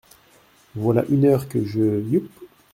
Voilà une heure que je… yupp !